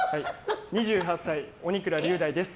２８歳、鬼倉龍大です。